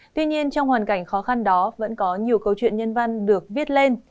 tuy nhiên trong hoàn cảnh khó khăn đó vẫn có nhiều câu chuyện nhân văn được viết lên